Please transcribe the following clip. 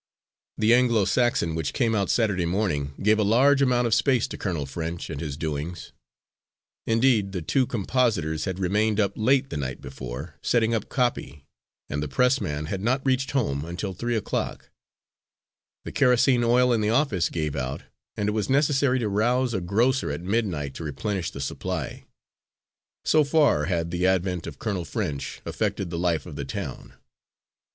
The Anglo Saxon, which came out Saturday morning, gave a large amount of space to Colonel French and his doings. Indeed, the two compositors had remained up late the night before, setting up copy, and the pressman had not reached home until three o'clock; the kerosene oil in the office gave out, and it was necessary to rouse a grocer at midnight to replenish the supply so far had the advent of Colonel French affected the life of the town.